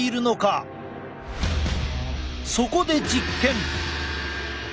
そこで実験！